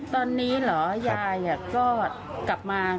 ตอนนี้เหรอยายก็กลับมา